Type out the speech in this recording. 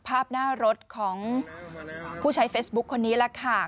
ภาพหน้ารถของผู้ใช้เฟซบุ๊คคนนี้แหละค่ะ